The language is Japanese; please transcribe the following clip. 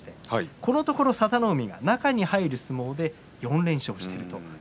このところ中に入る相撲で４連勝しています。